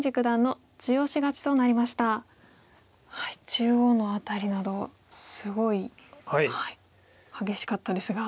中央の辺りなどすごい激しかったですが。